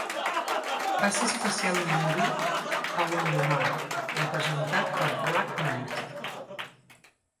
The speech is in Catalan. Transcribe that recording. Va ser especialment dur a Gondomar, representat per Black Knight.